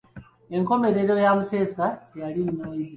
Enkomerero ya Muteesa teyali nnungi.